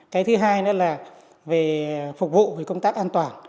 cái thứ hai nữa là về phục vụ về công tác an toàn